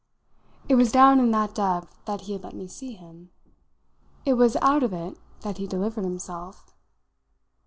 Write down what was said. It was down in that depth that he let me see him it was out of it that he delivered himself.